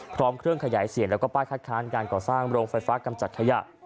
พร้อมเครื่องขยายเสียงแล้วก็ป้ายคัดค้านการก่อสร้างโรงไฟฟ้ากำจัดขยะ